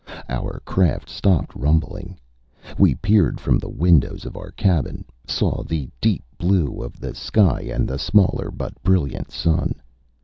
Our craft stopped rumbling. We peered from the windows of our cabin, saw the deep blue of the sky and the smaller but brilliant Sun.